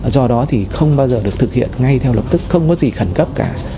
do đó thì không bao giờ được thực hiện ngay theo lập tức không có gì khẩn cấp cả